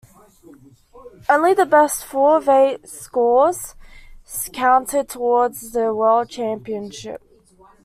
Only the best four of eight scores counted towards the World Championship.